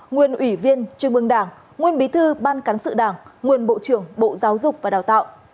nguyên ủy viên trung ương đảng nguyên bí thư ban cán sự đảng nguyên bộ trưởng bộ giáo dục và đào tạo